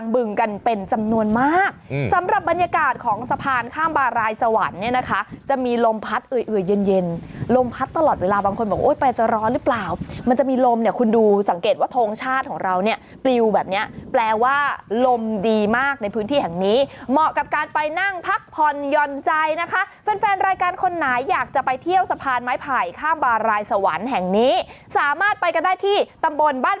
บารายสวรรค์เนี่ยนะคะจะมีลมพัดเอื่อยเย็นลมพัดตลอดเวลาบางคนบอกไปจะร้อนหรือเปล่ามันจะมีลมเนี่ยคุณดูสังเกตว่าโทงชาติของเราเนี่ยปลิวแบบเนี่ยแปลว่าลมดีมากในพื้นที่แห่งนี้เหมาะกับการไปนั่งพักผ่อนยนต์ใจนะคะแฟนรายการคนไหนอยากจะไปเที่ยวสะพานไม้ไผ่ข้ามบารายสวรรค์แห่งนี้สามารถไปกัน